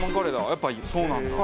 やっぱりそうなんだ。